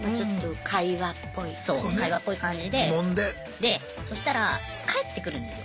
でそしたら返ってくるんですよ。